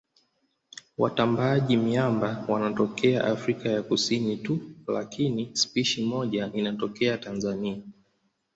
Watambaaji-miamba wanatokea Afrika ya Kusini tu lakini spishi moja inatokea Tanzania.